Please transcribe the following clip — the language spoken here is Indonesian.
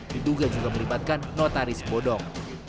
diduga juga melibatkan notaris bodong